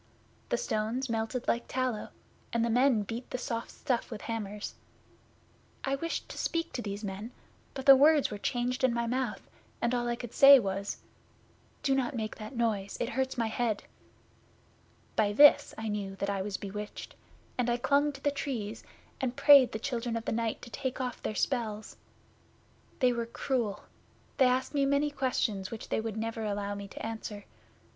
The stones melted like tallow, and the men beat the soft stuff with hammers. I wished to speak to these men, but the words were changed in my mouth, and all I could say was, "Do not make that noise. It hurts my head." By this I knew that I was bewitched, and I clung to the Trees, and prayed the Children of the Night to take off their spells. They were cruel. They asked me many questions which they would never allow me to answer.